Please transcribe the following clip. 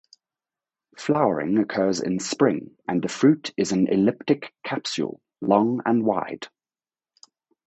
Flowering occurs in spring and the fruit is an elliptic capsule long and wide.